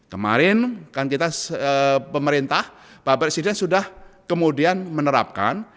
kemarin kan kita pemerintah pak presiden sudah kemudian menerapkan